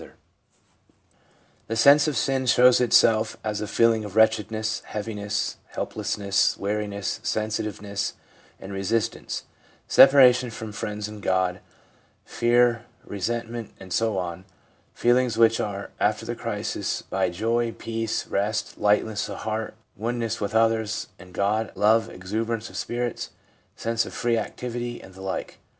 86 THE PSYCHOLOGY OF RELIGION The sense of sin shows itself as a feeling of wretched ness, heaviness, helplessness, weariness, sensitiveness and resistance, separation from friends and God, fear, resentment, and so on — feelings which are followed after the crisis by joy, peace, rest, lightness of heart, oneness with others and God, love, exuberance of spirits, sense of free activity, and the like.